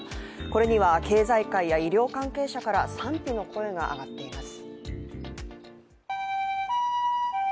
これには経済界や、医療関係者から賛否の声が上がっています。